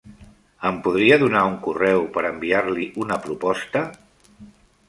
Em podria donar un correu per enviar-li una proposta?